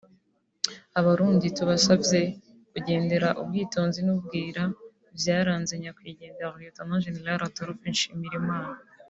“Abarundi tubasavye kugendera ubwitonzi n’ubwira vyaranze Nyakwigendera Lieutenant General Adolphe Nshimirimana